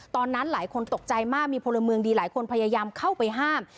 ตอนนั้นหลายคนตกใจมากมีพลเมืองดีหลายคนพยายามเข้าไปห้าม